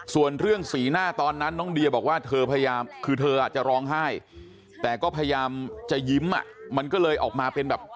ส่วนเรื่องสีหน้าตอนนั้นน้องเดียบอกว่าเธอพยายามคือเธอจะร้องไห้แต่ก็พยายามจะยิ้มอ่ะมันก็เลยออกมาเป็นแบบ